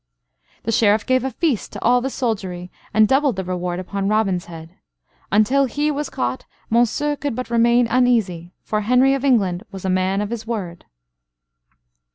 The Sheriff gave a feast to all the soldiery and doubled the reward upon Robin's head. Until he was caught Monceux could but remain uneasy, for Henry of England was a man of his word.